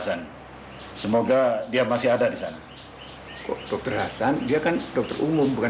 saya akan ke sana